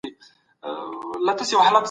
استازو به د هر فرد خوندیتوب باوري کړی وي.